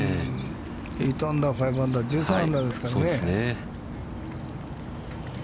８アンダー、５アンダー、１３アンダーですからね。